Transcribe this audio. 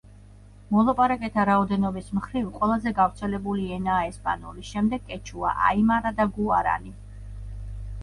მოლაპარაკეთა რაოდენობის მხრივ, ყველაზე გავრცელებული ენაა ესპანური, შემდეგ კეჩუა, აიმარა და გუარანი.